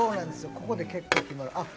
ここで結構決まる。